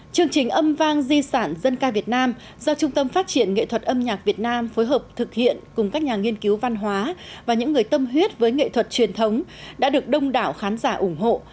chương trình âm vang di sản dân ca việt nam do trung tâm phát triển nghệ thuật âm nhạc việt nam phối hợp thực hiện cùng các nhà nghiên cứu văn hóa và những người tâm huyết với nghệ thuật truyền thống đã được đông đảo khán giả ủng hộ